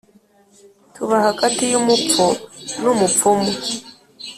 Tuba hagati y'umupfu n'umupfumu